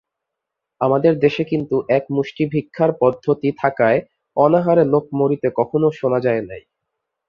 আমাদের দেশে কিন্তু এক মুষ্টিভিক্ষার পদ্ধতি থাকায় অনাহারে লোক মরিতে কখনও শোনা যায় নাই।